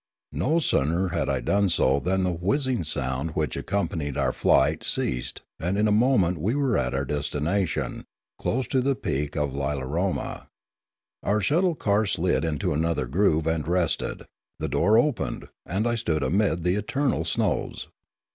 No sooner had I done so than the whizzing sound which accompanied our flight ceased and in a moment we were at our destination, close to the peak of Lilaroma. Our shuttle car slid into another groove and rested; the door opened, and I stood amid the eternal snows.